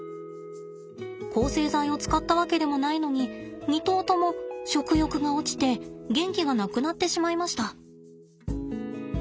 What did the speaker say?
抗生剤を使ったわけでもないのに２頭とも食欲が落ちて元気がなくなってしまいました。